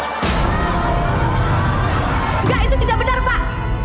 enggak itu tidak benar pak